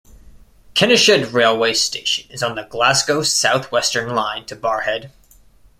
Kennishead railway station is on the Glasgow South Western Line to Barrhead.